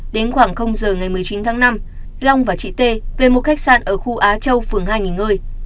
đến khoảng giờ ngày một mươi chín tháng năm long và chị t về một khách sạn ở khu á châu phường hai nghỉ ngơi